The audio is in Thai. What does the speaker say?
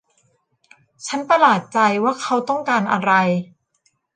ฉันประหลาดใจว่าเขาต้องการอะไร